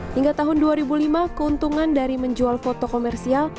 hingga tahun dua ribu lima keuntungan dari menjual foto komersial